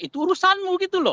itu urusanmu gitu loh